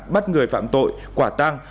bắt người phạm tội quả tang